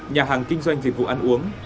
nhà hàng kinh doanh dịch vụ ăn uống